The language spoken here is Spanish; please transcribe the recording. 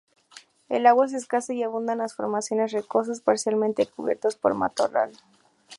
El agua es escasa, y abundan las formaciones rocosas parcialmente cubiertas por matorral.